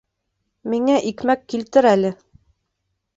Миңә икмәк килтер әле